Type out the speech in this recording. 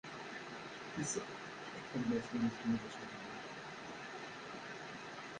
Els akerbas-nnek, ma ulac aɣilif.